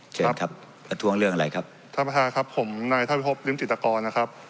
เชิญครับประท้วงเรื่องอะไรครับท่านประธานครับผมนายท่านพิพบริมจิตกรนะครับ